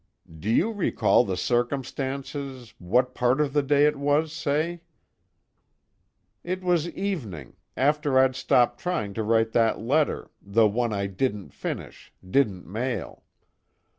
"Do you recall the circumstances what part of the day it was, say?" "It was evening, after I'd stopped trying to write that letter the one I didn't finish, didn't mail."